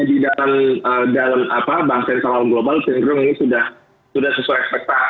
iya saya pikir memang kalau kita lihat tadi case nya di dalam